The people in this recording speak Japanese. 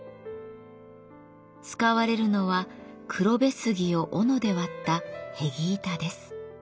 使われるのは黒部杉を斧で割ったへぎ板です。